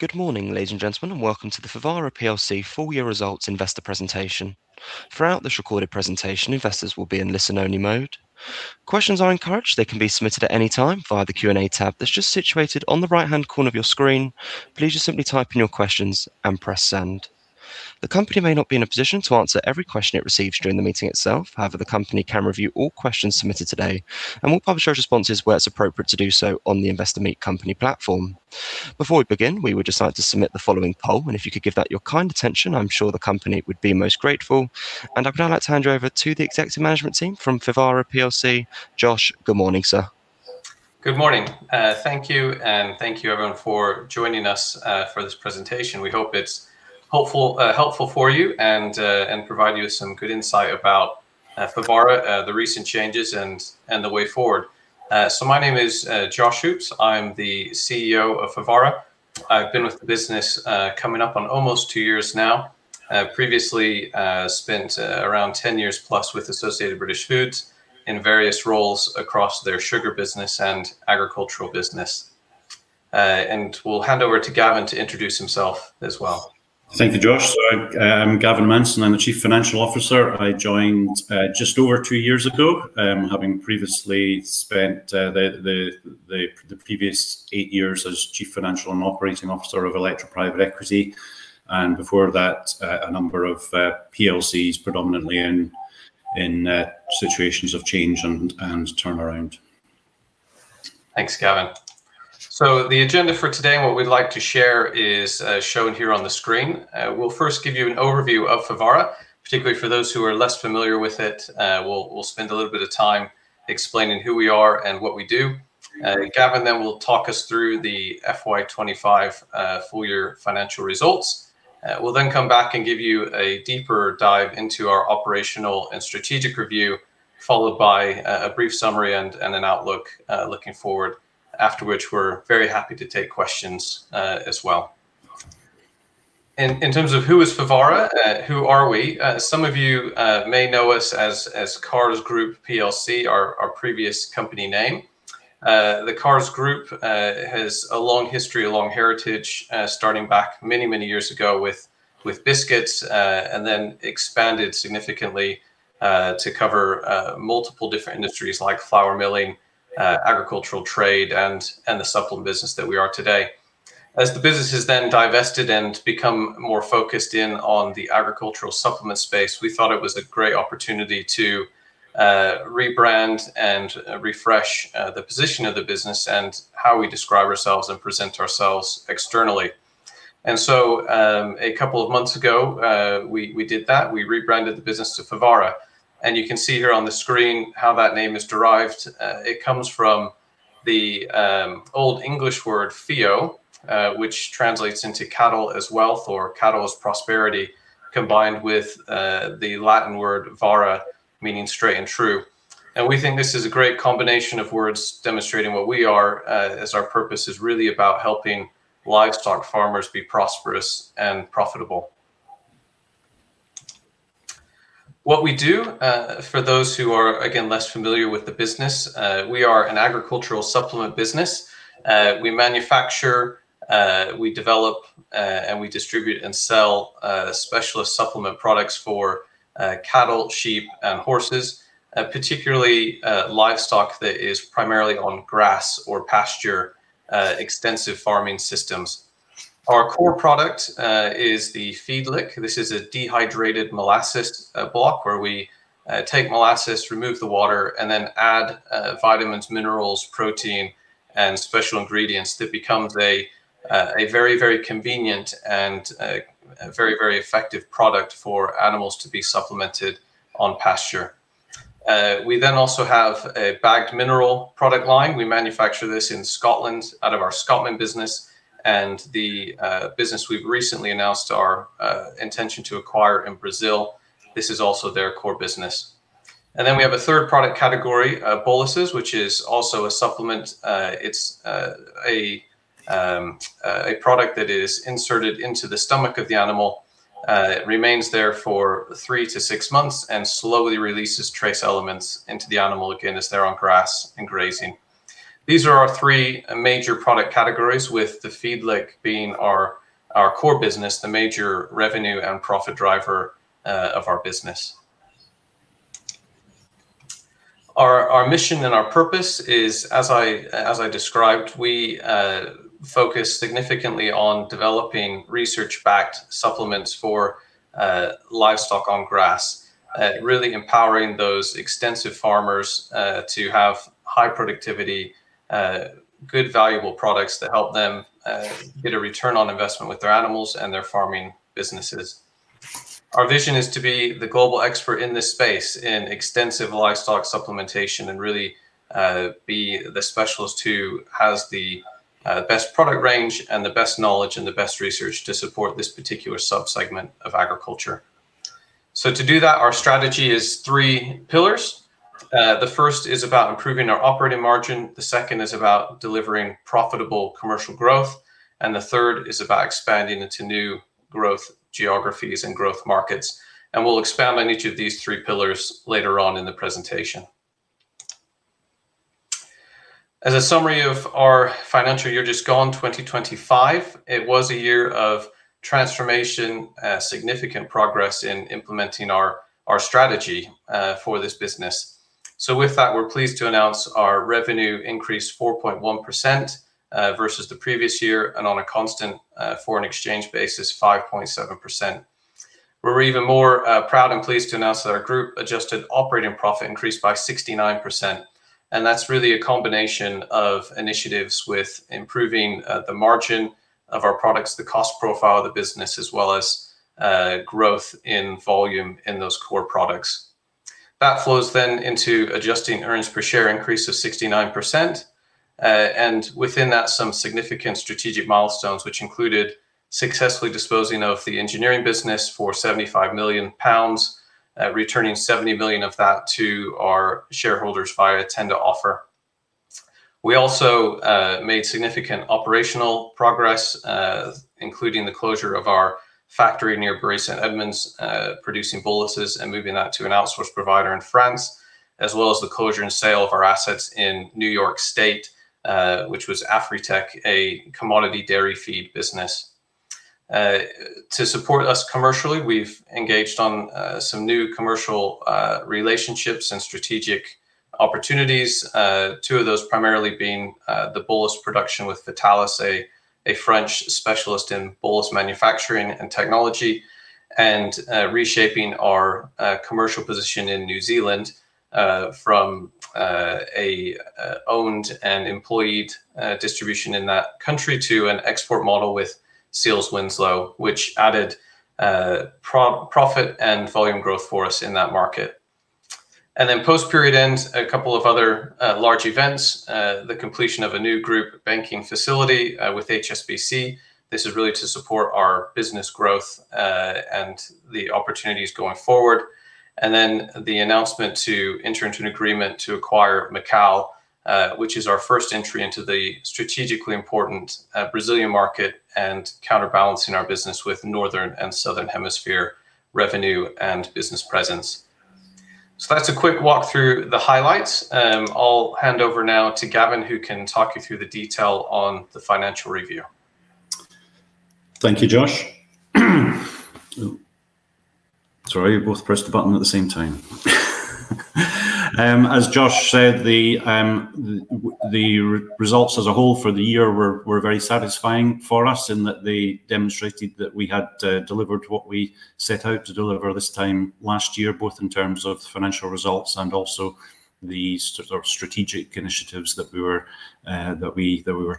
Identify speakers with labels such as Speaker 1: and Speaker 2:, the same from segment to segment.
Speaker 1: Good morning, ladies and gentlemen, and welcome to the Fevara plc four-year results investor presentation. Throughout this recorded presentation, investors will be in listen-only mode. Questions are encouraged. They can be submitted at any time via the Q&A tab that's just situated on the right-hand corner of your screen. Please just simply type in your questions and press send. The company may not be in a position to answer every question it receives during the meeting itself. However, the company can review all questions submitted today and will publish those responses where it's appropriate to do so on the Investor Meet Company platform. Before we begin, we would just like to submit the following poll, and if you could give that your kind attention, I'm sure the company would be most grateful. I would now like to hand you over to the Executive Management Team from Fevara plc. Josh, good morning, sir.
Speaker 2: Good morning. Thank you, and thank you, everyone, for joining us for this presentation. We hope it's helpful for you and provides you with some good insight about Fevara, the recent changes, and the way forward. My name is Josh Hoopes. I'm the CEO of Fevara. I've been with the business coming up on almost two years now. Previously, I spent around 10+ years with Associated British Foods in various roles across their sugar business and agricultural business. We'll hand over to Gavin to introduce himself as well.
Speaker 3: Thank you, Josh. So I'm Gavin Manson. I'm the Chief Financial Officer. I joined just over two years ago, having previously spent the previous eight years as Chief Financial and Operating Officer of Electra Private Equity. And before that, a number of PLCs, predominantly in situations of change and turnaround.
Speaker 2: Thanks, Gavin. So the agenda for today and what we'd like to share is shown here on the screen. We'll first give you an overview of Fevara, particularly for those who are less familiar with it. We'll spend a little bit of time explaining who we are and what we do. Gavin then will talk us through the FY 2025 full-year financial results. We'll then come back and give you a deeper dive into our operational and strategic review, followed by a brief summary and an outlook looking forward, after which we're very happy to take questions as well. In terms of who is Fevara, who are we? Some of you may know us as Carr's Group plc, our previous company name. Carr's Group has a long history, a long heritage, starting back many, many years ago with biscuits and then expanded significantly to cover multiple different industries like flour milling, agricultural trade, and the supplement business that we are today. As the business has then divested and become more focused in on the agricultural supplement space, we thought it was a great opportunity to rebrand and refresh the position of the business and how we describe ourselves and present ourselves externally. And so a couple of months ago, we did that. We rebranded the business to Fevara. And you can see here on the screen how that name is derived. It comes from the old English word, feo, which translates into cattle as wealth or cattle as prosperity, combined with the Latin word vara, meaning straight and true. We think this is a great combination of words demonstrating what we are, as our purpose is really about helping livestock farmers be prosperous and profitable. What we do, for those who are, again, less familiar with the business, we are an agricultural supplement business. We manufacture, we develop, and we distribute and sell specialist supplement products for cattle, sheep, and horses, particularly livestock that is primarily on grass or pasture, extensive farming systems. Our core product is the feed lick. This is a dehydrated molasses block where we take molasses, remove the water, and then add vitamins, minerals, protein, and special ingredients that becomes a very, very convenient and very, very effective product for animals to be supplemented on pasture. We then also have a bagged mineral product line. We manufacture this in Scotland out of our Scotland business, and the business we've recently announced our intention to acquire in Brazil. This is also their core business. And then we have a third product category, boluses, which is also a supplement. It's a product that is inserted into the stomach of the animal, remains there for three-to-six months, and slowly releases trace elements into the animal, again, as they're on grass and grazing. These are our three major product categories, with the feed lick being our core business, the major revenue and profit driver of our business. Our mission and our purpose is, as I described, we focus significantly on developing research-backed supplements for livestock on grass, really empowering those extensive farmers to have high productivity, good valuable products that help them get a return on investment with their animals and their farming businesses. Our vision is to be the global expert in this space in extensive livestock supplementation and really be the specialist who has the best product range and the best knowledge and the best research to support this particular subsegment of agriculture. So to do that, our strategy is three pillars. The first is about improving our operating margin. The second is about delivering profitable commercial growth. And the third is about expanding into new growth geographies and growth markets. And we'll expand on each of these three pillars later on in the presentation. As a summary of our financial year just gone, 2025, it was a year of transformation, significant progress in implementing our strategy for this business. So with that, we're pleased to announce our revenue increased 4.1% versus the previous year and on a constant foreign exchange basis, 5.7%. We're even more proud and pleased to announce that our group adjusted operating profit increased by 69%, and that's really a combination of initiatives with improving the margin of our products, the cost profile of the business, as well as growth in volume in those core products. That flows then into adjusted earnings per share increase of 69%, and within that, some significant strategic milestones, which included successfully disposing of the engineering business for 75 million pounds, returning 70 million of that to our shareholders via a tender offer. We also made significant operational progress, including the closure of our factory near Bury St Edmunds, producing boluses and moving that to an outsource provider in France, as well as the closure and sale of our assets in New York State, which was Afgritech, a commodity dairy feed business. To support us commercially, we've engaged on some new commercial relationships and strategic opportunities, two of those primarily being the bolus production with Vétalis, a French specialist in bolus manufacturing and technology, and reshaping our commercial position in New Zealand from an owned and employed distribution in that country to an export model with SealesWinslow, which added profit and volume growth for us in that market. And then post-period ends, a couple of other large events, the completion of a new group banking facility with HSBC. This is really to support our business growth and the opportunities going forward. And then the announcement to enter into an agreement to acquire Macal, which is our first entry into the strategically important Brazilian market and counterbalancing our business with Northern and Southern Hemisphere revenue and business presence. So that's a quick walk through the highlights. I'll hand over now to Gavin, who can talk you through the detail on the financial review.
Speaker 3: Thank you, Josh. Sorry, you both pressed the button at the same time. As Josh said, the results as a whole for the year were very satisfying for us in that they demonstrated that we had delivered what we set out to deliver this time last year, both in terms of financial results and also the strategic initiatives that we were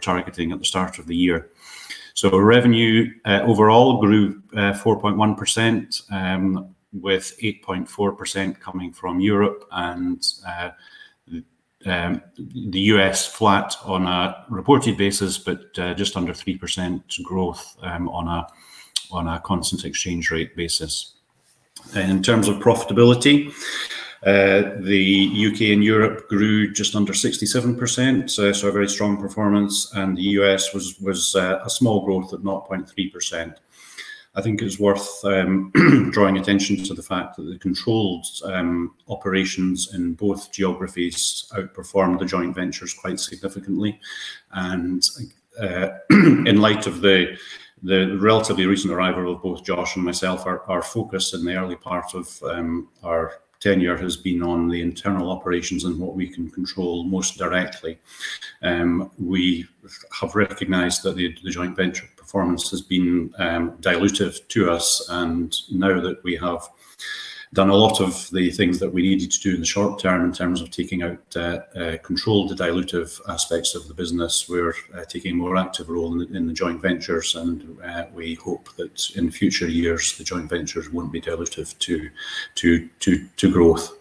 Speaker 3: targeting at the start of the year. So revenue overall grew 4.1%, with 8.4% coming from Europe and the U.S. flat on a reported basis, but just under 3% growth on a constant exchange rate basis. And in terms of profitability, the U.K. and Europe grew just under 67%, so a very strong performance, and the U.S. was a small growth of 0.3%. I think it's worth drawing attention to the fact that the controlled operations in both geographies outperformed the joint ventures quite significantly. In light of the relatively recent arrival of both Josh and myself, our focus in the early part of our tenure has been on the internal operations and what we can control most directly. We have recognized that the joint venture performance has been dilutive to us, and now that we have done a lot of the things that we needed to do in the short term in terms of taking out control of the dilutive aspects of the business, we're taking a more active role in the joint ventures, and we hope that in future years, the joint ventures won't be dilutive to growth.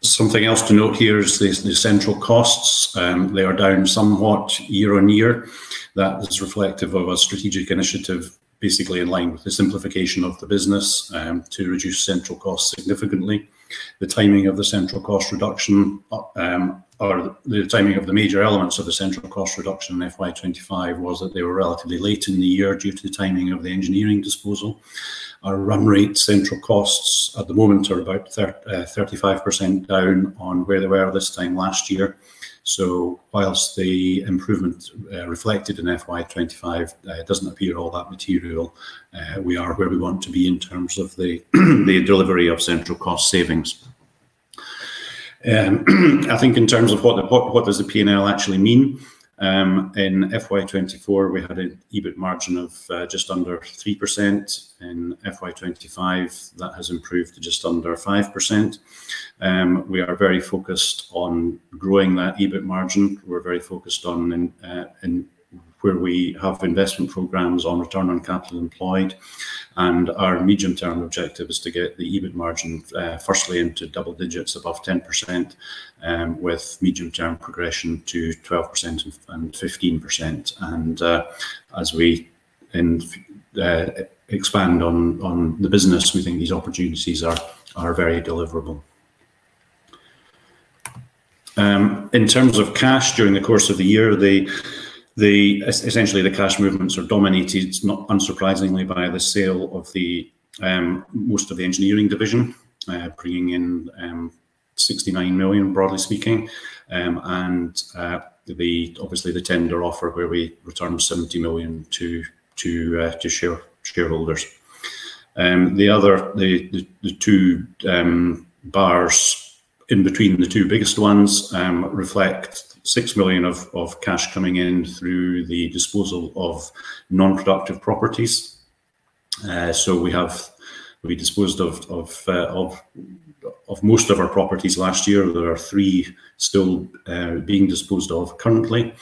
Speaker 3: Something else to note here is the central costs. They are down somewhat year on year. That is reflective of a strategic initiative, basically in line with the simplification of the business to reduce central costs significantly. The timing of the central cost reduction, or the timing of the major elements of the central cost reduction in FY 2025, was that they were relatively late in the year due to the timing of the engineering disposal. Our run rate central costs at the moment are about 35% down on where they were this time last year. So whilst the improvement reflected in FY 2025 doesn't appear all that material, we are where we want to be in terms of the delivery of central cost savings. I think in terms of what does the P&L actually mean, in FY 2024, we had an EBIT margin of just under 3%. In FY 2025, that has improved to just under 5%. We are very focused on growing that EBIT margin. We're very focused on where we have investment programs on return on capital employed. Our medium-term objective is to get the EBIT margin firstly into double digits above 10%, with medium-term progression to 12% and 15%. As we expand on the business, we think these opportunities are very deliverable. In terms of cash during the course of the year, essentially the cash movements are dominated, unsurprisingly, by the sale of most of the engineering division, bringing in 69 million, broadly speaking, and obviously the tender offer where we return 70 million to shareholders. The other two bars in between the two biggest ones reflect 6 million of cash coming in through the disposal of non-productive properties. We have been disposed of most of our properties last year. There are three still being disposed of currently.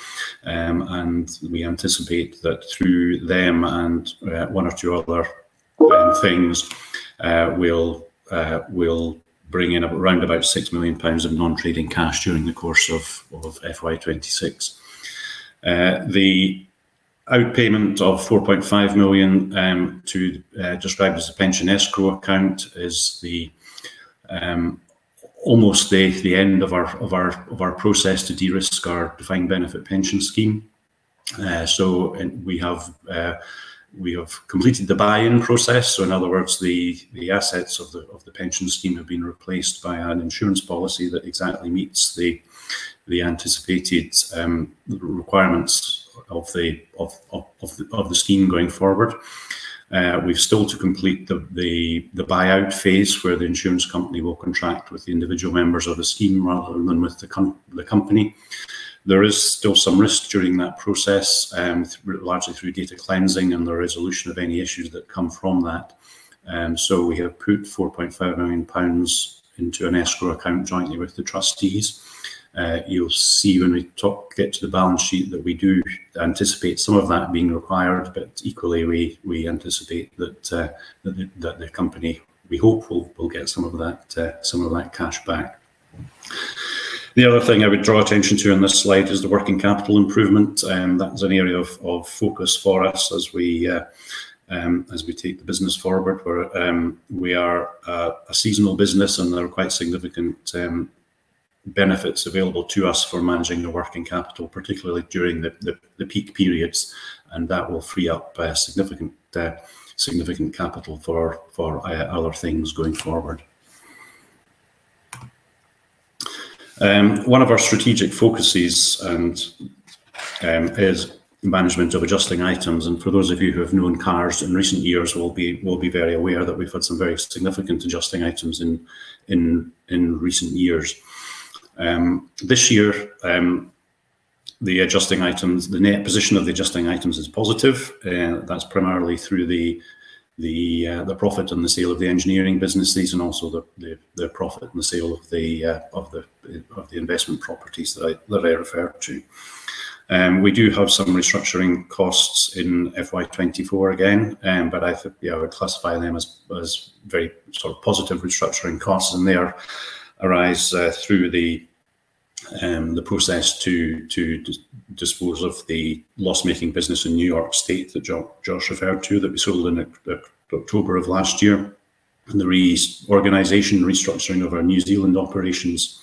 Speaker 3: And we anticipate that through them and one or two other things will bring in around about 6 million pounds of non-trading cash during the course of FY 2026. The outpayment of 4.5 million, described as a pension escrow account, is almost the end of our process to de-risk our defined benefit pension scheme. So we have completed the buy-in process. So in other words, the assets of the pension scheme have been replaced by an insurance policy that exactly meets the anticipated requirements of the scheme going forward. We have still to complete the buyout phase where the insurance company will contract with the individual members of the scheme rather than with the company. There is still some risk during that process, largely through data cleansing and the resolution of any issues that come from that. So we have put 4.5 million pounds into an escrow account jointly with the trustees. You'll see when we get to the balance sheet that we do anticipate some of that being required, but equally, we anticipate that the company, we hope, will get some of that cash back. The other thing I would draw attention to in this slide is the working capital improvement. That's an area of focus for us as we take the business forward. We are a seasonal business, and there are quite significant benefits available to us for managing the working capital, particularly during the peak periods. And that will free up significant capital for other things going forward. One of our strategic focuses is management of adjusting items. And for those of you who have known Carr's in recent years, will be very aware that we've had some very significant adjusting items in recent years. This year, the adjusting items, the net position of the adjusting items is positive. That's primarily through the profit and the sale of the engineering businesses and also the profit and the sale of the investment properties that I referred to. We do have some restructuring costs in FY 2024 again, but I would classify them as very positive restructuring costs, and they arise through the process to disposal of the loss-making business in New York State that Josh referred to that we sold in October of last year, and the reorganization, restructuring of our New Zealand operations,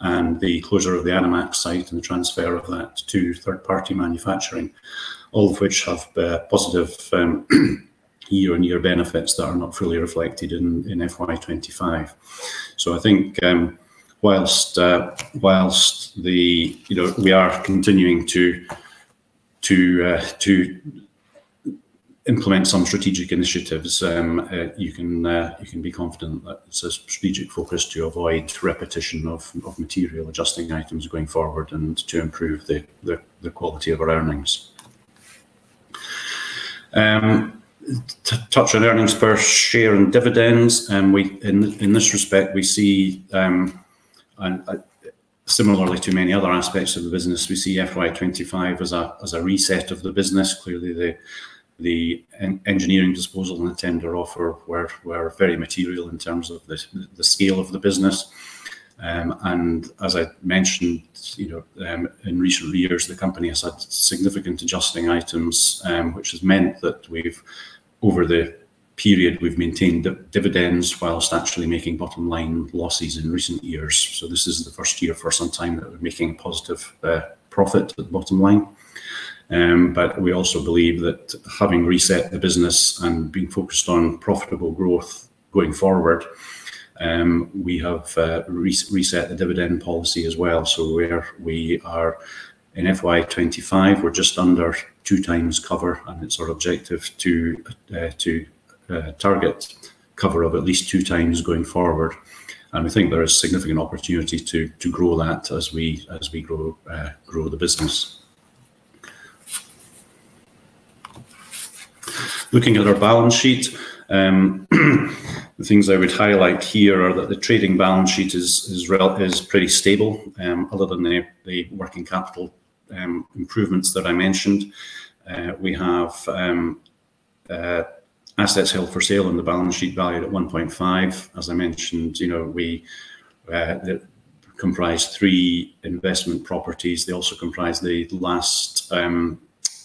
Speaker 3: and the closure of the Animax site and the transfer of that to third-party manufacturing, all of which have positive year-on-year benefits that are not fully reflected in FY 2025, so I think whilst we are continuing to implement some strategic initiatives, you can be confident that it's a strategic focus to avoid repetition of material adjusting items going forward and to improve the quality of our earnings. Touch on earnings per share and dividends. In this respect, we see, similarly to many other aspects of the business, we see FY 2025 as a reset of the business. Clearly, the engineering disposal and the tender offer were very material in terms of the scale of the business. And as I mentioned, in recent years, the company has had significant adjusting items, which has meant that over the period, we've maintained dividends whilst actually making bottom-line losses in recent years. So this is the first year for some time that we're making a positive profit at the bottom line. But we also believe that having reset the business and being focused on profitable growth going forward, we have reset the dividend policy as well. So we are in FY 2025, we're just under 2x cover, and it's our objective to target cover of at least 2x going forward. We think there is significant opportunity to grow that as we grow the business. Looking at our balance sheet, the things I would highlight here are that the trading balance sheet is pretty stable. Other than the working capital improvements that I mentioned, we have assets held for sale in the balance sheet value at 1.5. As I mentioned, we comprise three investment properties. They also comprise the last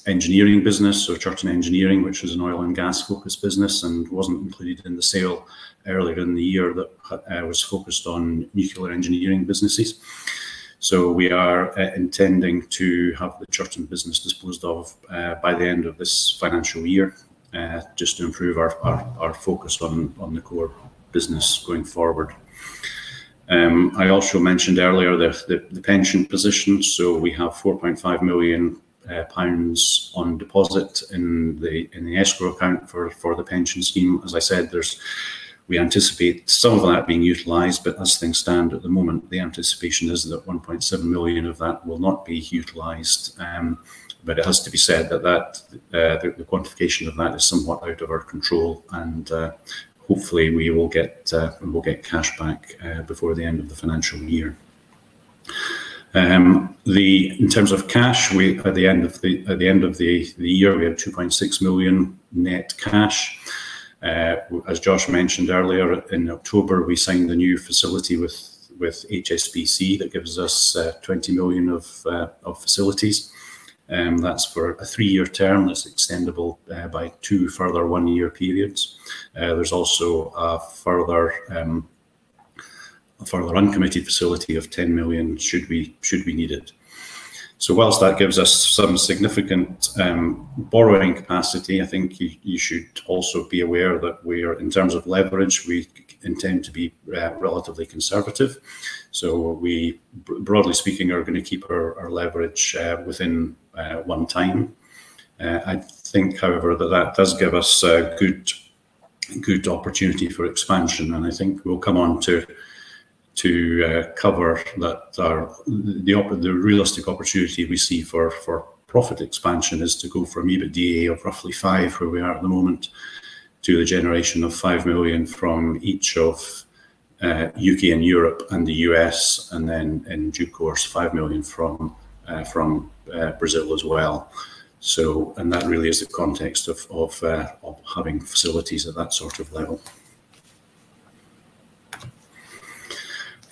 Speaker 3: engineering business, so Chirton Engineering, which was an oil and gas-focused business and wasn't included in the sale earlier in the year that was focused on nuclear engineering businesses. We are intending to have the Chirton business disposed of by the end of this financial year just to improve our focus on the core business going forward. I also mentioned earlier the pension position. We have 4.5 million pounds on deposit in the escrow account for the pension scheme. As I said, we anticipate some of that being utilized, but as things stand at the moment, the anticipation is that 1.7 million of that will not be utilized. But it has to be said that the quantification of that is somewhat out of our control, and hopefully, we will get cash back before the end of the financial year. In terms of cash, at the end of the year, we have 2.6 million net cash. As Josh mentioned earlier, in October, we signed a new facility with HSBC that gives us 20 million of facilities. That's for a three-year term that's extendable by two further one-year periods. There's also a further uncommitted facility of 10 million should we need it. So whilst that gives us some significant borrowing capacity, I think you should also be aware that in terms of leverage, we intend to be relatively conservative. We, broadly speaking, are going to keep our leverage within one time. I think, however, that that does give us a good opportunity for expansion. I think we'll come on to cover that the realistic opportunity we see for profit expansion is to go from EBITDA of roughly five, where we are at the moment, to the generation of five million from each of U.K. and Europe and the U.S., and then in due course, five million from Brazil as well. That really is the context of having facilities at that sort of level.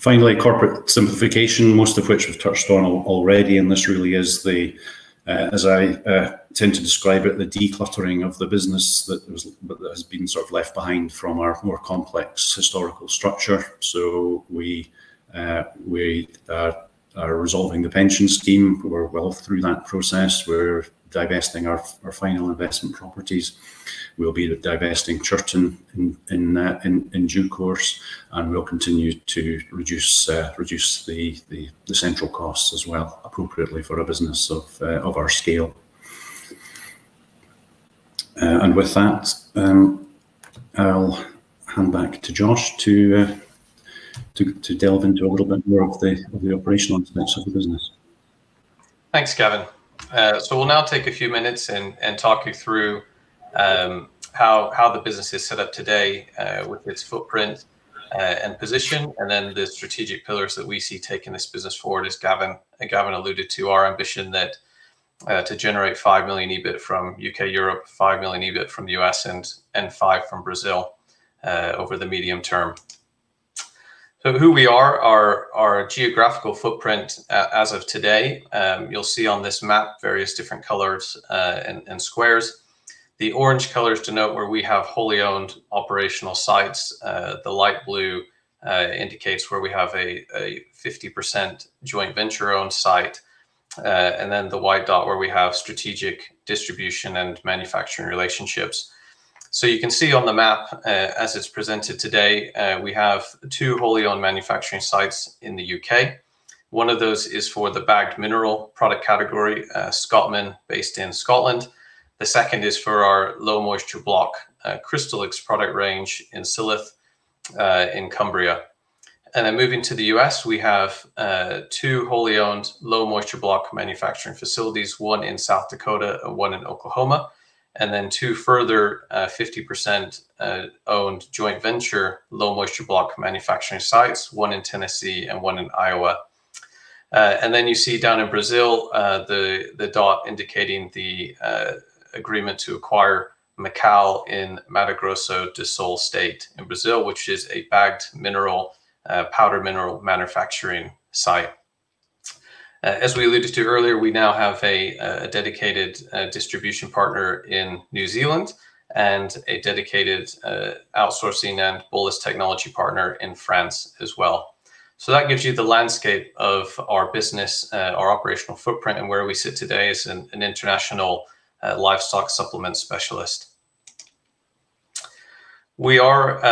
Speaker 3: Finally, corporate simplification, most of which we've touched on already, and this really is, as I tend to describe it, the decluttering of the business that has been sort of left behind from our more complex historical structure. We are resolving the pension scheme. We're well through that process. We're divesting our final investment properties. We'll be divesting Chirton in due course, and we'll continue to reduce the central costs as well, appropriately for a business of our scale. And with that, I'll hand back to Josh to delve into a little bit more of the operational aspects of the business.
Speaker 2: Thanks, Gavin. So we'll now take a few minutes and talk you through how the business is set up today with its footprint and position, and then the strategic pillars that we see taking this business forward, as Gavin alluded to, our ambition to generate five million EBIT from U.K., Europe, five million EBIT from the U.S., and five from Brazil over the medium term. So who we are, our geographical footprint as of today, you'll see on this map various different colors and squares. The orange colors denote where we have wholly owned operational sites. The light blue indicates where we have a 50% joint venture-owned site, and then the white dot where we have strategic distribution and manufacturing relationships. So you can see on the map, as it's presented today, we have two wholly owned manufacturing sites in the U.K. One of those is for the bagged mineral product category, Scotmin, based in Scotland. The second is for our low-moisture block, Crystalyx product range in Silloth in Cumbria, and then moving to the U.S., we have two wholly owned low-moisture block manufacturing facilities, one in South Dakota and one in Oklahoma, and then two further 50% owned joint venture low-moisture block manufacturing sites, one in Tennessee and one in Iowa, and then you see down in Brazil, the dot indicating the agreement to acquire Macal in Mato Grosso do Sul State in Brazil, which is a bagged mineral, powder mineral manufacturing site. As we alluded to earlier, we now have a dedicated distribution partner in New Zealand and a dedicated outsourcing and bolus technology partner in France as well. That gives you the landscape of our business, our operational footprint, and where we sit today as an international livestock supplement specialist. We are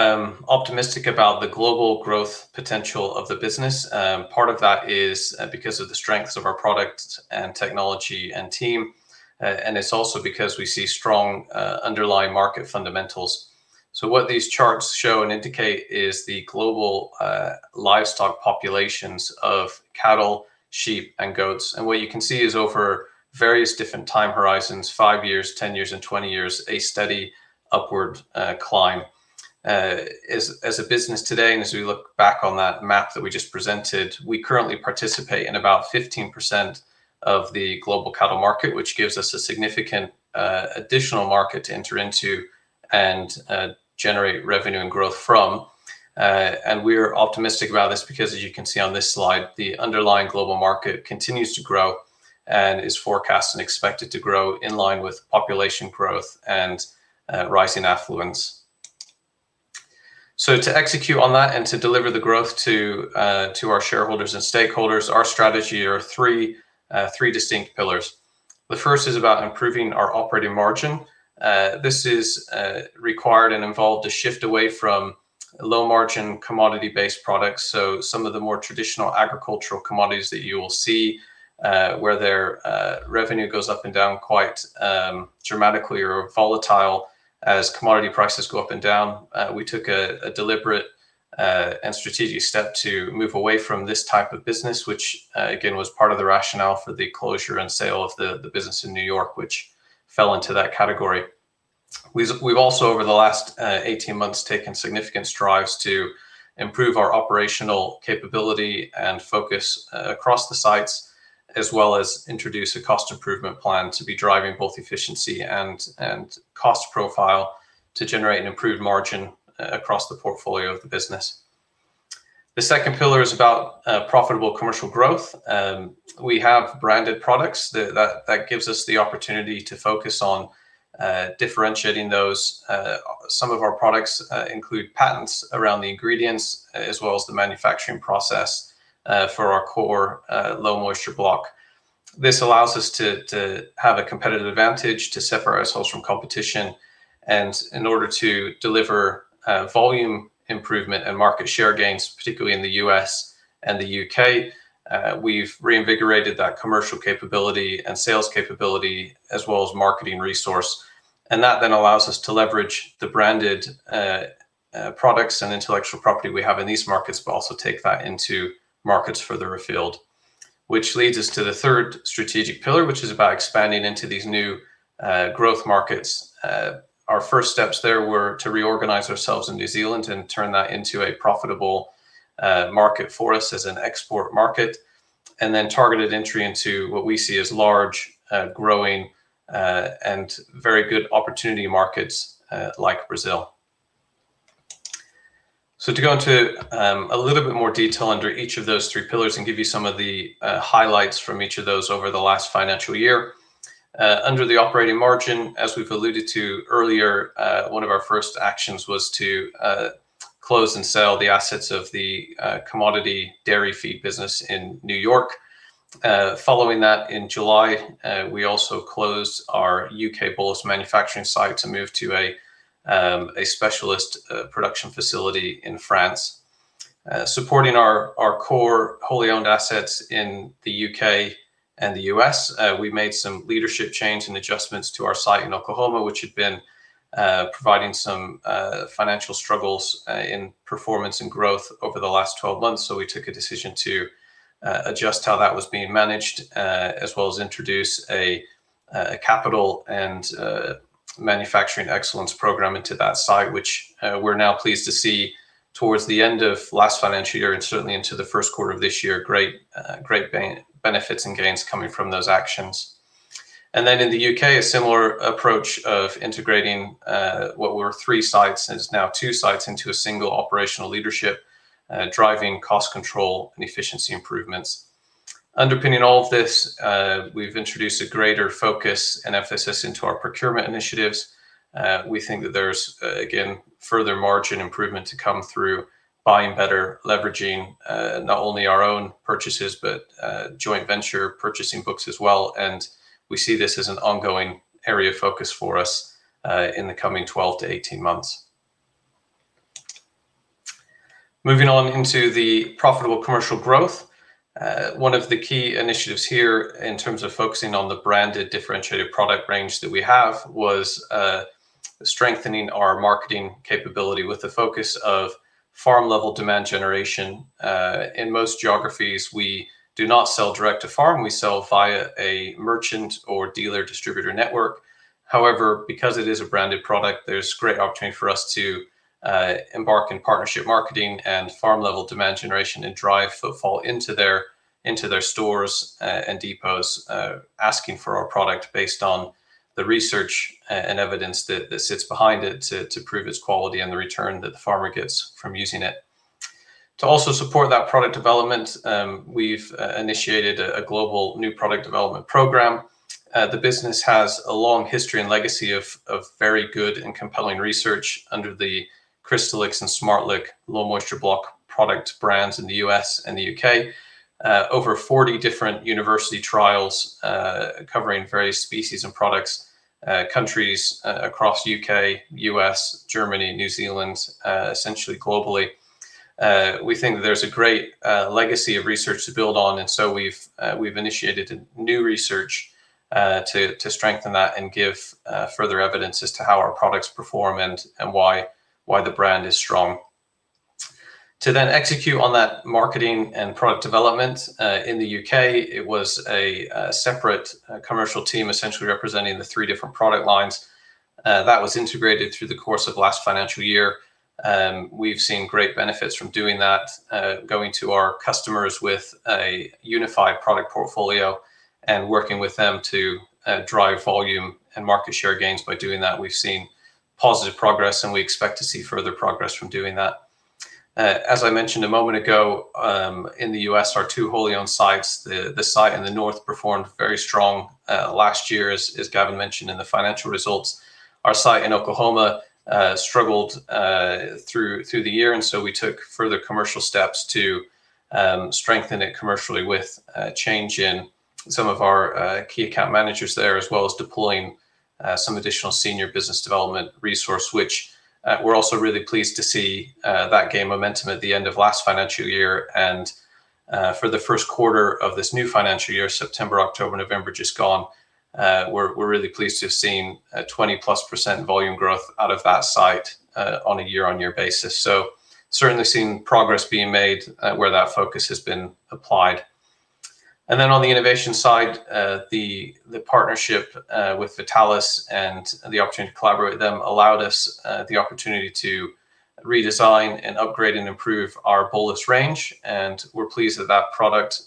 Speaker 2: optimistic about the global growth potential of the business. Part of that is because of the strengths of our product and technology and team, and it's also because we see strong underlying market fundamentals. What these charts show and indicate is the global livestock populations of cattle, sheep, and goats. What you can see is over various different time horizons, five years, 10 years, and 20 years, a steady upward climb. As a business today, and as we look back on that map that we just presented, we currently participate in about 15% of the global cattle market, which gives us a significant additional market to enter into and generate revenue and growth from. And we're optimistic about this because, as you can see on this slide, the underlying global market continues to grow and is forecast and expected to grow in line with population growth and rising affluence. So to execute on that and to deliver the growth to our shareholders and stakeholders, our strategy are three distinct pillars. The first is about improving our operating margin. This is required and involved to shift away from low-margin commodity-based products. So some of the more traditional agricultural commodities that you will see, where their revenue goes up and down quite dramatically or volatile as commodity prices go up and down, we took a deliberate and strategic step to move away from this type of business, which, again, was part of the rationale for the closure and sale of the business in New York, which fell into that category. We've also, over the last 18 months, taken significant strides to improve our operational capability and focus across the sites, as well as introduce a cost improvement plan to be driving both efficiency and cost profile to generate an improved margin across the portfolio of the business. The second pillar is about profitable commercial growth. We have branded products that give us the opportunity to focus on differentiating those. Some of our products include patents around the ingredients, as well as the manufacturing process for our core low-moisture block. This allows us to have a competitive advantage to set ourselves from competition. And in order to deliver volume improvement and market share gains, particularly in the U.S. and the U.K., we've reinvigorated that commercial capability and sales capability, as well as marketing resource. That then allows us to leverage the branded products and intellectual property we have in these markets, but also take that into markets further afield. Which leads us to the third strategic pillar, which is about expanding into these new growth markets. Our first steps there were to reorganize ourselves in New Zealand and turn that into a profitable market for us as an export market, and then targeted entry into what we see as large growing and very good opportunity markets like Brazil. To go into a little bit more detail under each of those three pillars and give you some of the highlights from each of those over the last financial year. Under the operating margin, as we've alluded to earlier, one of our first actions was to close and sell the assets of the commodity dairy feed business in New York. Following that, in July, we also closed our U.K. bolus manufacturing site to move to a specialist production facility in France. Supporting our core wholly owned assets in the U.K. and the U.S., we made some leadership change and adjustments to our site in Oklahoma, which had been providing some financial struggles in performance and growth over the last 12 months. So we took a decision to adjust how that was being managed, as well as introduce a capital and manufacturing excellence program into that site, which we're now pleased to see towards the end of last financial year and certainly into the first quarter of this year, great benefits and gains coming from those actions. And then in the U.K., a similar approach of integrating what were three sites is now two sites into a single operational leadership, driving cost control and efficiency improvements. Underpinning all of this, we've introduced a greater focus and emphasis into our procurement initiatives. We think that there's, again, further margin improvement to come through buying better, leveraging not only our own purchases, but joint venture purchasing books as well. And we see this as an ongoing area of focus for us in the coming 12-18 months. Moving on into the profitable commercial growth, one of the key initiatives here in terms of focusing on the branded differentiated product range that we have was strengthening our marketing capability with the focus of farm-level demand generation. In most geographies, we do not sell direct to farm. We sell via a merchant or dealer distributor network. However, because it is a branded product, there's great opportunity for us to embark in partnership marketing and farm-level demand generation and drive footfall into their stores and depots, asking for our product based on the research and evidence that sits behind it to prove its quality and the return that the farmer gets from using it. To also support that product development, we've initiated a global new product development program. The business has a long history and legacy of very good and compelling research under the Crystalyx and SmartLic low-moisture block product brands in the U.S. and the U.K. Over 40 different university trials covering various species and products, countries across U.K., U.S., Germany, New Zealand, essentially globally. We think that there's a great legacy of research to build on. And so we've initiated new research to strengthen that and give further evidence as to how our products perform and why the brand is strong. To then execute on that marketing and product development in the U.K., it was a separate commercial team essentially representing the three different product lines that was integrated through the course of last financial year. We've seen great benefits from doing that, going to our customers with a unified product portfolio and working with them to drive volume and market share gains. By doing that, we've seen positive progress, and we expect to see further progress from doing that. As I mentioned a moment ago, in the U.S., our two wholly owned sites, the site in the north, performed very strong last year, as Gavin mentioned in the financial results. Our site in Oklahoma struggled through the year, and so we took further commercial steps to strengthen it commercially with change in some of our key account managers there, as well as deploying some additional senior business development resource, which we're also really pleased to see that gain momentum at the end of last financial year, and for the first quarter of this new financial year, September, October, November just gone, we're really pleased to have seen 20%+ volume growth out of that site on a year-on-year basis, so certainly seeing progress being made where that focus has been applied, and then on the innovation side, the partnership with Vétalis and the opportunity to collaborate with them allowed us the opportunity to redesign and upgrade and improve our bolus range, and we're pleased that that product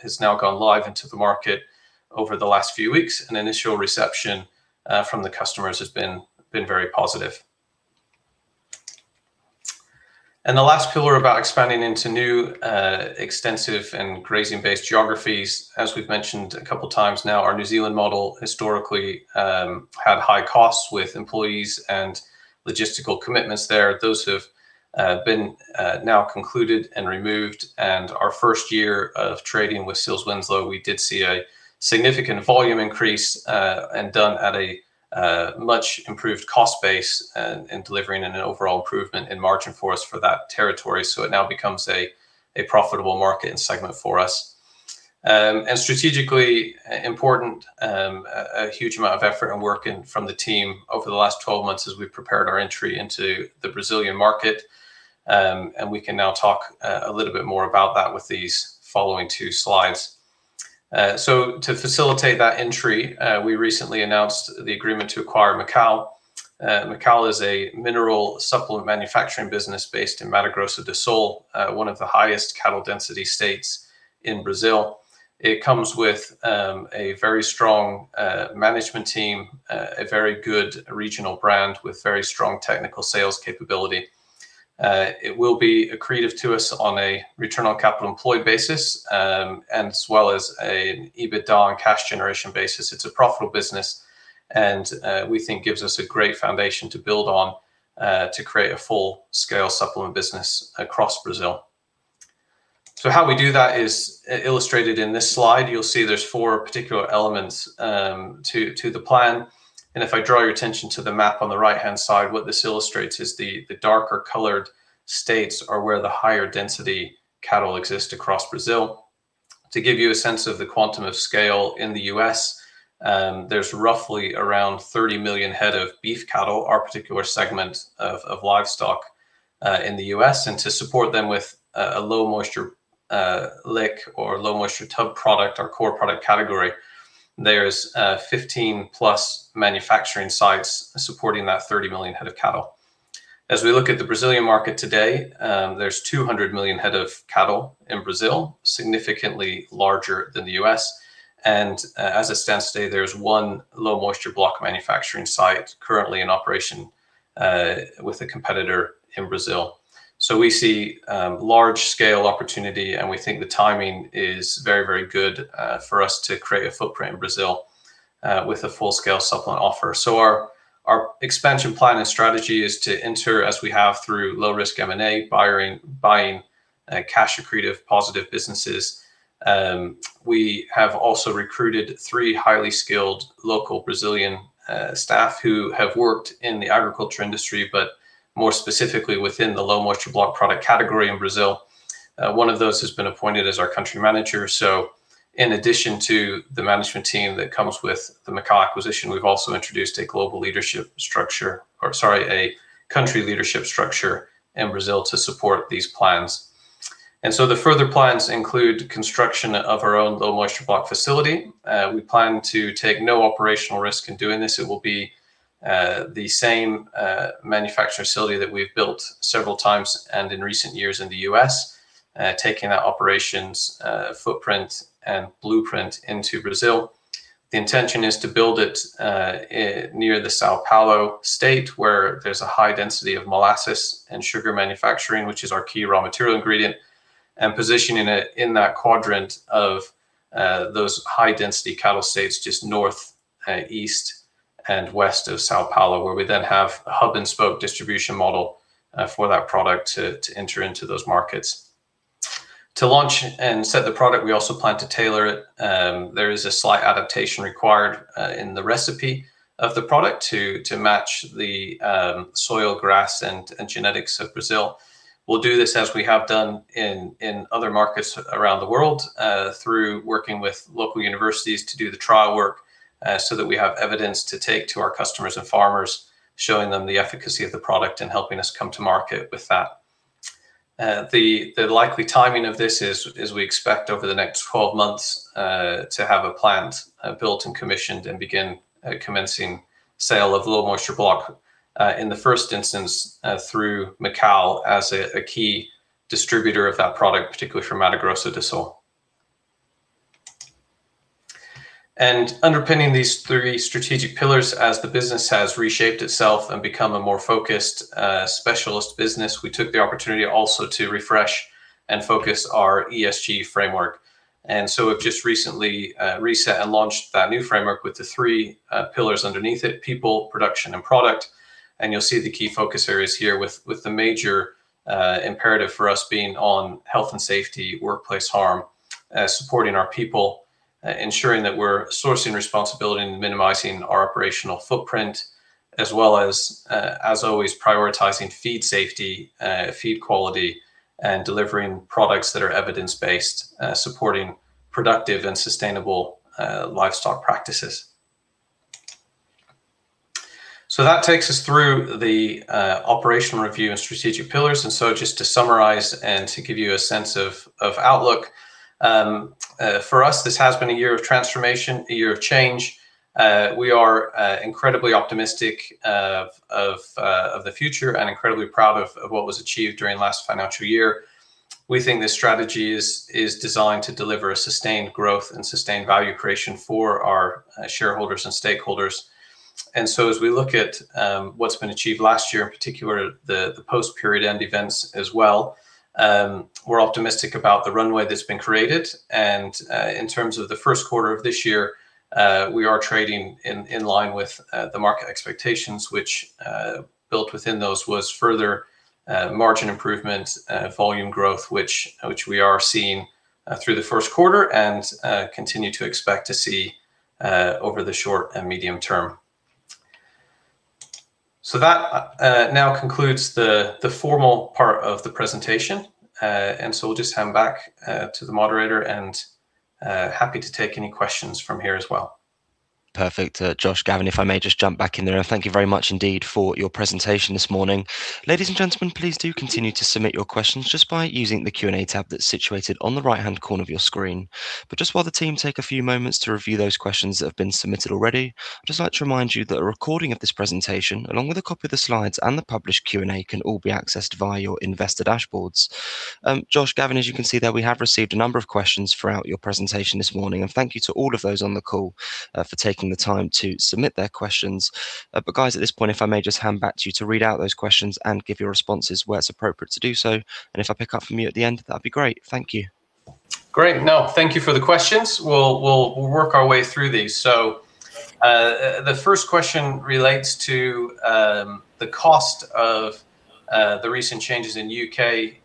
Speaker 2: has now gone live into the market over the last few weeks. Initial reception from the customers has been very positive. The last pillar about expanding into new extensive and grazing-based geographies, as we've mentioned a couple of times now, our New Zealand model historically had high costs with employees and logistical commitments there. Those have been now concluded and removed. Our first year of trading with SealesWinslow, we did see a significant volume increase and done at a much improved cost base and delivering an overall improvement in margin for us for that territory. It now becomes a profitable market and segment for us. Strategically important, a huge amount of effort and work from the team over the last 12 months as we've prepared our entry into the Brazilian market. We can now talk a little bit more about that with these following two slides. So to facilitate that entry, we recently announced the agreement to acquire Macal. Macal is a mineral supplement manufacturing business based in Mato Grosso do Sul, one of the highest cattle density states in Brazil. It comes with a very strong management team, a very good regional brand with very strong technical sales capability. It will be accretive to us on a return on capital employed basis and as well as an EBITDA and cash generation basis. It's a profitable business and we think gives us a great foundation to build on to create a full-scale supplement business across Brazil. So how we do that is illustrated in this slide. You'll see there's four particular elements to the plan. And if I draw your attention to the map on the right-hand side, what this illustrates is the darker colored states are where the higher density cattle exist across Brazil. To give you a sense of the quantum of scale in the U.S., there's roughly around 30 million head of beef cattle, our particular segment of livestock in the U.S., and to support them with a low-moisture lick or low-moisture tub product, our core product category, there's 15+ manufacturing sites supporting that 30 million head of cattle. As we look at the Brazilian market today, there's 200 million head of cattle in Brazil, significantly larger than the U.S., and as it stands today, there's one low-moisture block manufacturing site currently in operation with a competitor in Brazil, so we see large-scale opportunity, and we think the timing is very, very good for us to create a footprint in Brazil with a full-scale supplement offer, so our expansion plan and strategy is to enter as we have through low-risk M&A, buying cash-accretive positive businesses. We have also recruited three highly skilled local Brazilian staff who have worked in the agriculture industry, but more specifically within the low-moisture block product category in Brazil. One of those has been appointed as our country manager. So in addition to the management team that comes with the Macal acquisition, we've also introduced a global leadership structure or, sorry, a country leadership structure in Brazil to support these plans. And so the further plans include construction of our own low-moisture block facility. We plan to take no operational risk in doing this. It will be the same manufacturing facility that we've built several times and in recent years in the U.S., taking that operations footprint and blueprint into Brazil. The intention is to build it near the São Paulo state where there's a high density of molasses and sugar manufacturing, which is our key raw material ingredient, and positioning it in that quadrant of those high-density cattle states just northeast and west of São Paulo, where we then have a hub-and-spoke distribution model for that product to enter into those markets. To launch and set the product, we also plan to tailor it. There is a slight adaptation required in the recipe of the product to match the soil, grass, and genetics of Brazil. We'll do this as we have done in other markets around the world through working with local universities to do the trial work so that we have evidence to take to our customers and farmers, showing them the efficacy of the product and helping us come to market with that. The likely timing of this is, as we expect, over the next 12 months to have a planned, built, and commissioned and begin commencing sale of low-moisture block in the first instance through Macal as a key distributor of that product, particularly from Mato Grosso do Sul, and underpinning these three strategic pillars, as the business has reshaped itself and become a more focused specialist business, we took the opportunity also to refresh and focus our ESG framework, and so we've just recently reset and launched that new framework with the three pillars underneath it: people, production, and product. And you'll see the key focus areas here with the major imperative for us being on health and safety, workplace harm, supporting our people, ensuring that we're sourcing responsibly and minimizing our operational footprint, as well as, as always, prioritizing feed safety, feed quality, and delivering products that are evidence-based, supporting productive and sustainable livestock practices. So that takes us through the operational review and strategic pillars. And so just to summarize and to give you a sense of outlook, for us, this has been a year of transformation, a year of change. We are incredibly optimistic of the future and incredibly proud of what was achieved during last financial year. We think this strategy is designed to deliver a sustained growth and sustained value creation for our shareholders and stakeholders. And so as we look at what's been achieved last year, in particular the post-period-end events as well, we're optimistic about the runway that's been created. And in terms of the first quarter of this year, we are trading in line with the market expectations, which built within those was further margin improvement, volume growth, which we are seeing through the first quarter and continue to expect to see over the short and medium term. So that now concludes the formal part of the presentation. And so we'll just hand back to the moderator and happy to take any questions from here as well.
Speaker 1: Perfect. Josh, Gavin, if I may just jump back in there. Thank you very much indeed for your presentation this morning. Ladies and gentlemen, please do continue to submit your questions just by using the Q&A tab that's situated on the right-hand corner of your screen. But just while the team take a few moments to review those questions that have been submitted already, I'd just like to remind you that a recording of this presentation, along with a copy of the slides and the published Q&A, can all be accessed via your investor dashboards. Josh, Gavin, as you can see there, we have received a number of questions throughout your presentation this morning. And thank you to all of those on the call for taking the time to submit their questions. But guys, at this point, if I may just hand back to you to read out those questions and give your responses where it's appropriate to do so. And if I pick up from you at the end, that'd be great.
Speaker 2: Thank you. Great. No, thank you for the questions. We'll work our way through these. So the first question relates to the cost of the recent changes in U.K.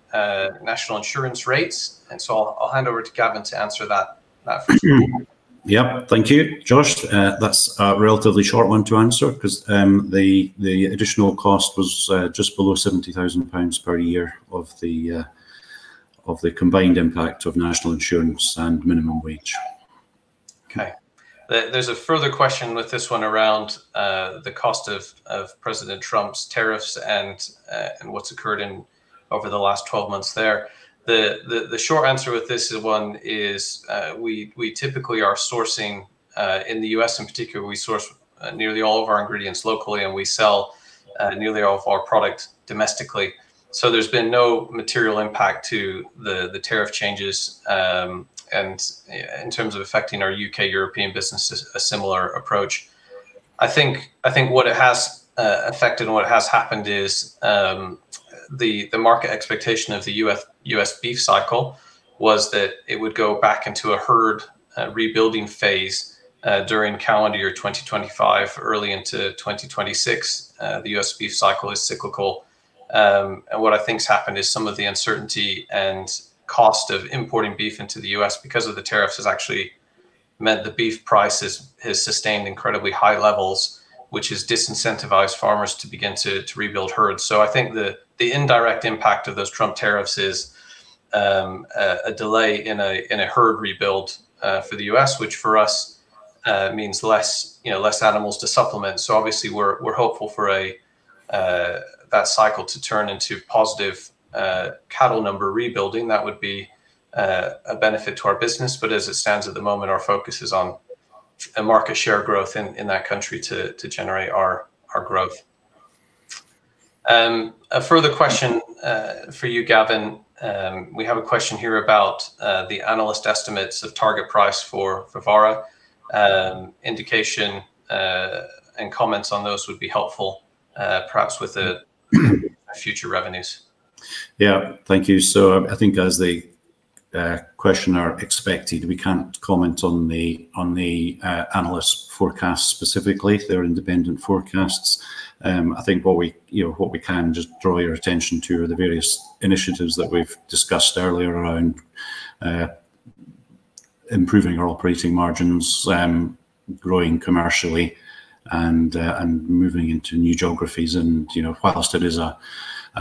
Speaker 2: National Insurance rates. And so I'll hand over to Gavin to answer that for you.
Speaker 3: Yep. Thank you, Josh. That's a relatively short one to answer because the additional cost was just below 70,000 pounds per year of the combined impact of National Insurance and minimum wage. Okay. There's a further question with this one around the cost of President Trump's tariffs and what's occurred over the last 12 months there. The short answer with this one is we typically are sourcing in the U.S., in particular, we source nearly all of our ingredients locally, and we sell nearly all of our product domestically. So there's been no material impact to the tariff changes. And in terms of affecting our U.K. European business, a similar approach. I think what it has affected and what has happened is the market expectation of the U.S. beef cycle was that it would go back into a herd rebuilding phase during calendar year 2025, early into 2026. The U.S. beef cycle is cyclical, and what I think has happened is some of the uncertainty and cost of importing beef into the U.S. because of the tariffs has actually meant the beef price has sustained incredibly high levels, which has disincentivized farmers to begin to rebuild herds. I think the indirect impact of those Trump tariffs is a delay in a herd rebuild for the U.S., which for us means less animals to supplement. Obviously, we're hopeful for that cycle to turn into positive cattle number rebuilding. That would be a benefit to our business. But as it stands at the moment, our focus is on market share growth in that country to generate our growth.
Speaker 2: A further question for you, Gavin. We have a question here about the analyst estimates of target price for Fevara. Indication and comments on those would be helpful, perhaps with future revenues.
Speaker 3: Yeah. Thank you. So I think as the questioner expected, we can't comment on the analyst forecast specifically. They're independent forecasts. I think what we can just draw your attention to are the various initiatives that we've discussed earlier around improving our operating margins, growing commercially, and moving into new geographies. And while it is a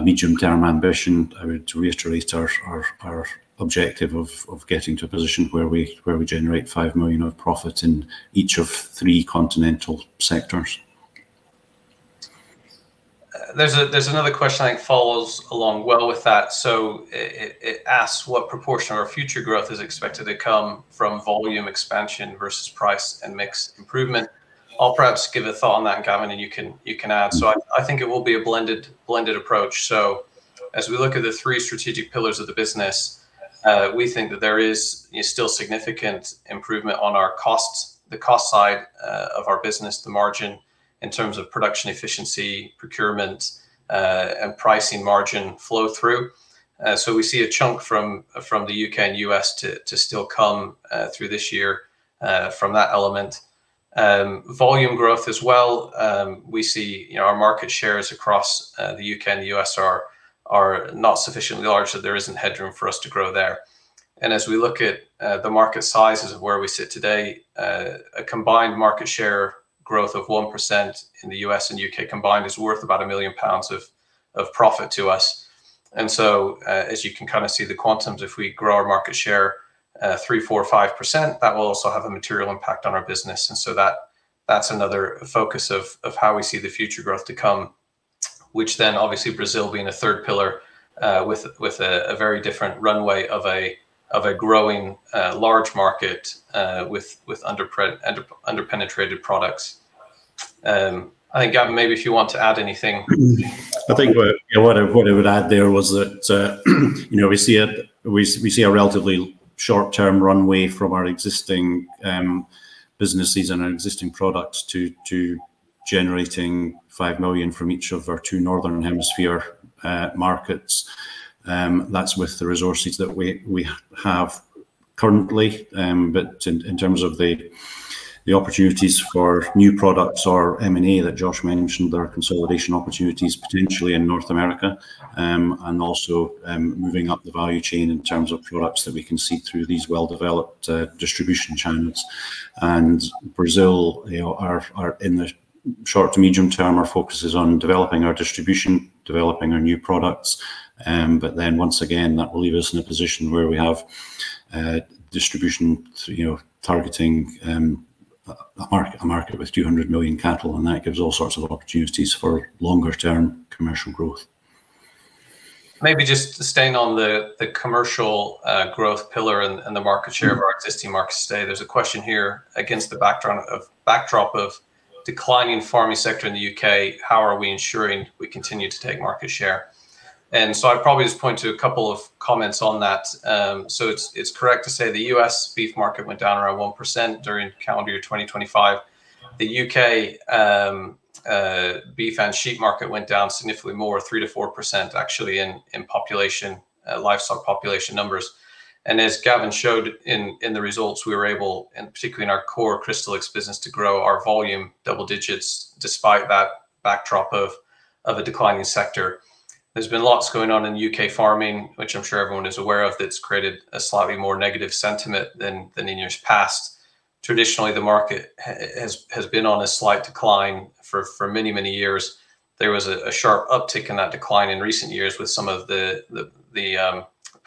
Speaker 3: medium-term ambition, I would reiterate our objective of getting to a position where we generate 5 million of profits in each of three continental sectors.
Speaker 2: There's another question that follows along well with that. It asks what proportion of our future growth is expected to come from volume expansion versus price and mix improvement. I'll perhaps give a thought on that, Gavin, and you can add. I think it will be a blended approach. As we look at the three strategic pillars of the business, we think that there is still significant improvement on the cost side of our business, the margin in terms of production efficiency, procurement, and pricing margin flow through. We see a chunk from the U.K. and U.S. to still come through this year from that element. Volume growth as well. We see our market shares across the U.K. and the U.S. are not sufficiently large that there isn't headroom for us to grow there. And as we look at the market sizes of where we sit today, a combined market share growth of 1% in the U.S. and U.K. combined is worth about 1 million pounds of profit to us. And so as you can kind of see the quantums, if we grow our market share 3%, 4%, 5%, that will also have a material impact on our business. And so that's another focus of how we see the future growth to come, which then obviously Brazil being a third pillar with a very different runway of a growing large market with underpenetrated products. I think, Gavin, maybe if you want to add anything.
Speaker 3: I think what I would add there was that we see a relatively short-term runway from our existing businesses and our existing products to generating 5 million from each of our two Northern Hemisphere markets. That's with the resources that we have currently, but in terms of the opportunities for new products or M&A that Josh mentioned, there are consolidation opportunities potentially in North America and also moving up the value chain in terms of products that we can see through these well-developed distribution channels. In Brazil, in the short to medium term, our focus is on developing our distribution, developing our new products, but then once again, that will leave us in a position where we have distribution targeting a market with 200 million cattle. That gives all sorts of opportunities for longer-term commercial growth.
Speaker 2: Maybe just staying on the commercial growth pillar and the market share of our existing markets today, there's a question here against the backdrop of declining farming sector in the U.K.: how are we ensuring we continue to take market share? I'd probably just point to a couple of comments on that. It's correct to say the U.S. beef market went down around 1% during calendar year 2025. The U.K. beef and sheep market went down significantly more, 3%-4% actually in population, livestock population numbers. As Gavin showed in the results, we were able, and particularly in our core Crystalyx business, to grow our volume double digits despite that backdrop of a declining sector. There's been lots going on in U.K. farming, which I'm sure everyone is aware of, that's created a slightly more negative sentiment than in years past. Traditionally, the market has been on a slight decline for many, many years. There was a sharp uptick in that decline in recent years with some of the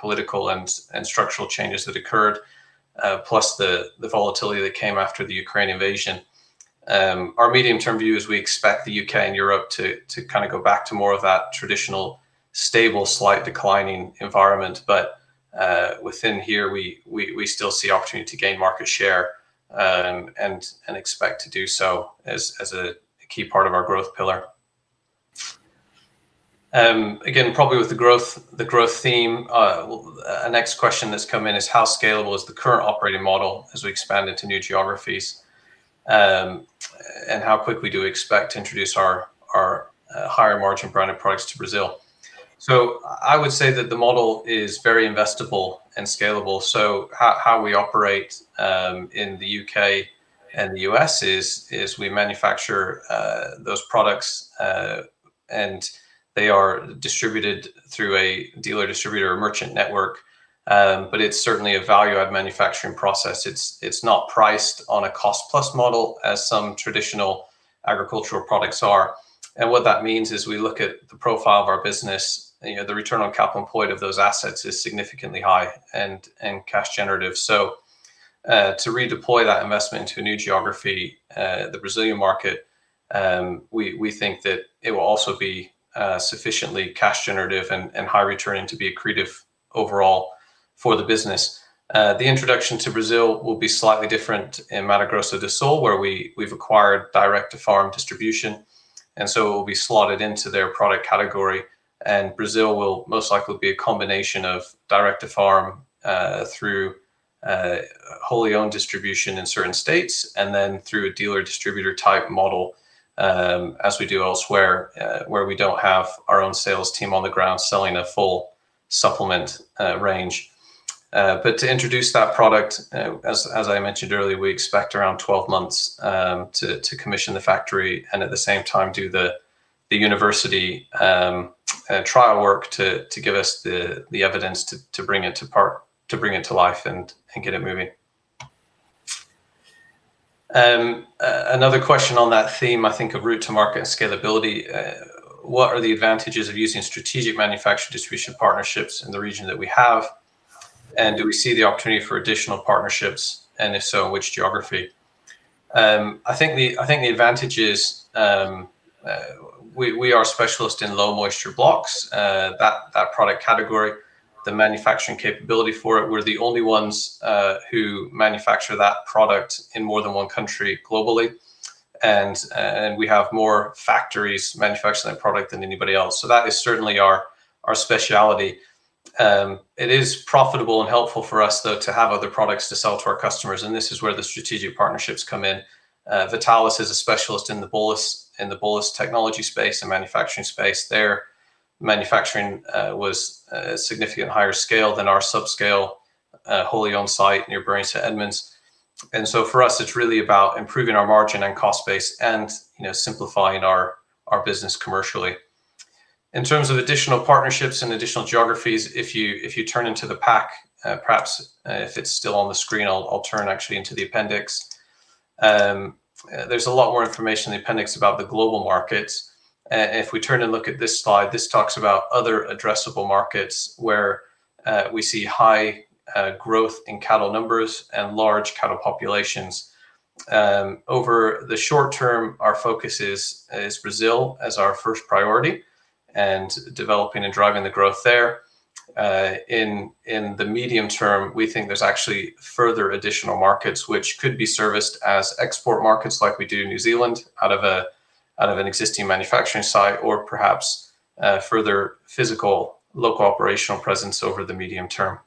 Speaker 2: political and structural changes that occurred, plus the volatility that came after the Ukraine invasion. Our medium-term view is we expect the U.K. and Europe to kind of go back to more of that traditional stable, slight declining environment. But within here, we still see opportunity to gain market share and expect to do so as a key part of our growth pillar. Again, probably with the growth theme, a next question that's come in is how scalable is the current operating model as we expand into new geographies and how quickly do we expect to introduce our higher margin branded products to Brazil? So I would say that the model is very investable and scalable. So how we operate in the U.K. and the U.S. is we manufacture those products, and they are distributed through a dealer, distributor, or merchant network. But it's certainly a value-add manufacturing process. It's not priced on a cost-plus model as some traditional agricultural products are. And what that means is we look at the profile of our business. The return on capital employed of those assets is significantly high and cash generative. So to redeploy that investment into a new geography, the Brazilian market, we think that it will also be sufficiently cash generative and high-returning to be accretive overall for the business. The introduction to Brazil will be slightly different in Mato Grosso do Sul, where we've acquired direct-to-farm distribution. And so it will be slotted into their product category. And Brazil will most likely be a combination of direct-to-farm through wholly owned distribution in certain states and then through a dealer-distributor type model as we do elsewhere, where we don't have our own sales team on the ground selling a full supplement range. But to introduce that product, as I mentioned earlier, we expect around 12 months to commission the factory and at the same time do the university trial work to give us the evidence to bring it to life and get it moving. Another question on that theme, I think of route to market and scalability. What are the advantages of using strategic manufacturing distribution partnerships in the region that we have? And do we see the opportunity for additional partnerships? And if so, in which geography? I think the advantage is we are specialists in low moisture blocks, that product category, the manufacturing capability for it. We're the only ones who manufacture that product in more than one country globally. And we have more factories manufacturing that product than anybody else. So that is certainly our specialty. It is profitable and helpful for us, though, to have other products to sell to our customers, and this is where the strategic partnerships come in. Vétalis is a specialist in the bolus technology space and manufacturing space. Their manufacturing was significantly higher scale than our subscale wholly owned site near Bury St Edmunds, and so for us, it's really about improving our margin and cost base and simplifying our business commercially. In terms of additional partnerships and additional geographies, if you turn into the pack, perhaps if it's still on the screen, I'll turn actually into the appendix. There's a lot more information in the appendix about the global markets. If we turn and look at this slide, this talks about other addressable markets where we see high growth in cattle numbers and large cattle populations. Over the short term, our focus is Brazil as our first priority and developing and driving the growth there. In the medium term, we think there's actually further additional markets which could be serviced as export markets like we do in New Zealand out of an existing manufacturing site or perhaps further physical local operational presence over the medium term.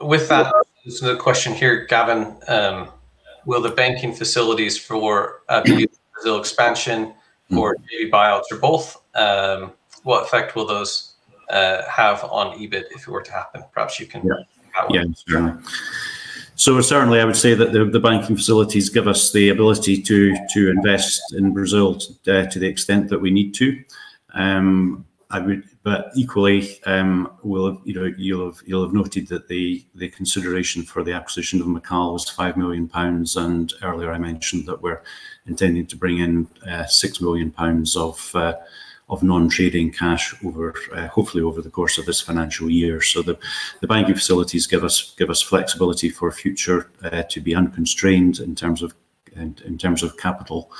Speaker 2: With that, there's another question here, Gavin. Will the banking facilities for Brazil expansion or maybe buyouts or both, what effect will those have on EBIT if it were to happen? Perhaps you can comment on that one.
Speaker 3: Yeah. So certainly, I would say that the banking facilities give us the ability to invest in Brazil to the extent that we need to. But equally, you'll have noted that the consideration for the acquisition of Macal was five million pounds. Earlier, I mentioned that we're intending to bring in 6 million pounds of non-trading cash hopefully over the course of this financial year. The banking facilities give us flexibility for future to be unconstrained in terms of capital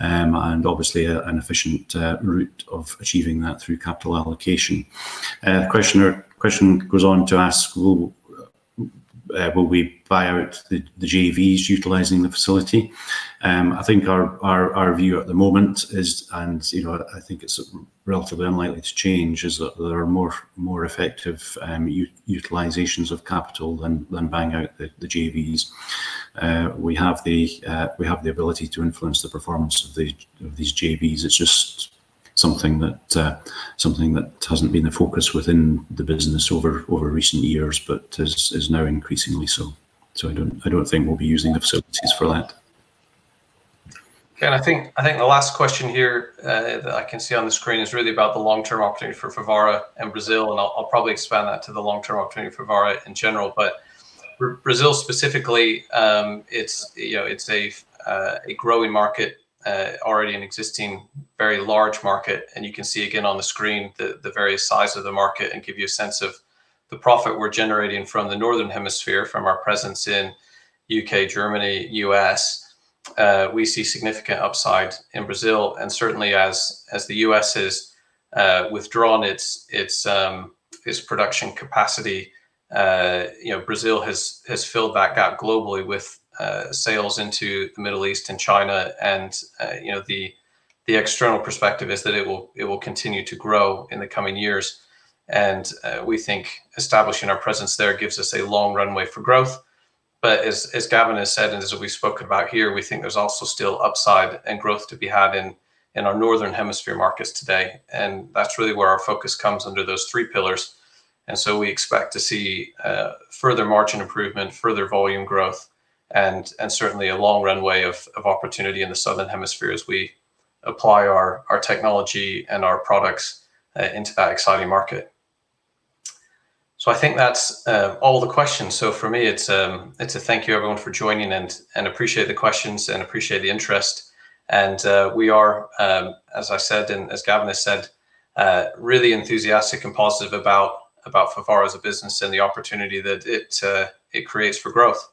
Speaker 3: and obviously an efficient route of achieving that through capital allocation. The question goes on to ask, will we buy out the JVs utilizing the facility? I think our view at the moment is, and I think it's relatively unlikely to change, is that there are more effective utilizations of capital than buying out the JVs. We have the ability to influence the performance of these JVs. It's just something that hasn't been the focus within the business over recent years, but is now increasingly so. I don't think we'll be using the facilities for that.
Speaker 2: Okay. I think the last question here that I can see on the screen is really about the long-term opportunity for Fevara and Brazil. I'll probably expand that to the long-term opportunity for Fevara in general. Brazil specifically, it's a growing market, already an existing very large market. You can see again on the screen the various sides of the market and give you a sense of the profit we're generating from the Northern Hemisphere, from our presence in the U.K., Germany, U.S. We see significant upside in Brazil. Certainly, as the U.S. has withdrawn its production capacity, Brazil has filled that gap globally with sales into the Middle East and China. The external perspective is that it will continue to grow in the coming years. We think establishing our presence there gives us a long runway for growth. But as Gavin has said, and as we've spoken about here, we think there's also still upside and growth to be had in our Northern Hemisphere markets today. And that's really where our focus comes under those three pillars. And so we expect to see further margin improvement, further volume growth, and certainly a long runway of opportunity in the Southern Hemisphere as we apply our technology and our products into that exciting market. So I think that's all the questions. So for me, it's a thank you, everyone, for joining and appreciate the questions and appreciate the interest. And we are, as I said, and as Gavin has said, really enthusiastic and positive about Fevara as a business and the opportunity that it creates for growth.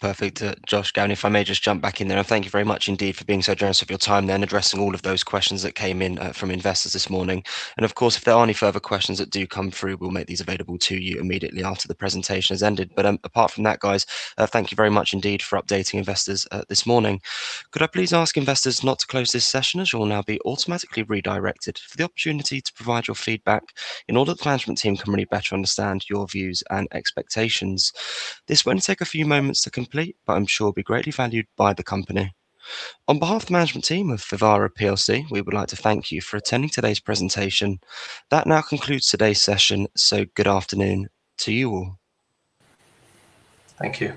Speaker 1: Perfect. Josh, Gavin, if I may just jump back in there, thank you very much indeed for being so generous of your time there and addressing all of those questions that came in from investors this morning, and of course, if there are any further questions that do come through, we'll make these available to you immediately after the presentation has ended, but apart from that, guys, thank you very much indeed for updating investors this morning. Could I please ask investors not to close this session as you'll now be automatically redirected for the opportunity to provide your feedback in order that the management team can really better understand your views and expectations? This won't take a few moments to complete, but I'm sure it'll be greatly valued by the company. On behalf of the management team of Fevara plc, we would like to thank you for attending today's presentation. That now concludes today's session, so good afternoon to you all. Thank you.